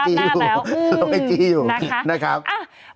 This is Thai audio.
เห็นลงไอจีอยู่ลงไอจีอยู่นะครับ